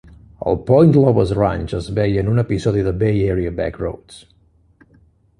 El Point Lobos Ranch es veia en un episodi de Bay Area Back Roads.